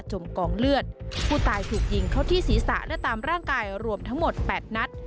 กองเลือดผู้ตายถูกยิงเข้าที่ศีรษะและตามร่างกายรวมทั้งหมด๘นัด